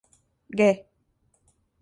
Gue